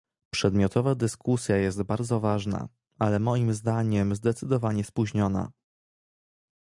Przedmiotowa dyskusja jest bardzo ważna, ale moim zdaniem zdecydowanie spóźniona